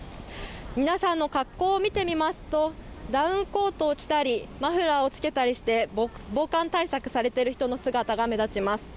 皆さんの格好を見てみますとダウンコートを着たりマフラーをつけたりして防寒対策をされている人の姿が目立ちます。